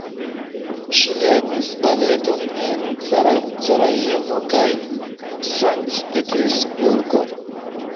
Ŝi lernis baleton en Sarajevo kaj Sankt-Petersburgo.